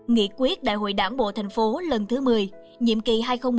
nghị quyết đại hội đảng bộ thành phố lần thứ một mươi nhiệm kỳ hai nghìn một mươi sáu hai nghìn hai mươi